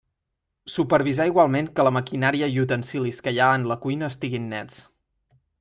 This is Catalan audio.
Supervisar igualment que la maquinària i utensilis que hi ha en la cuina estiguen nets.